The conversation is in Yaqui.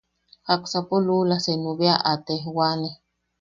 Jaksapo luula senu bea a tejwane.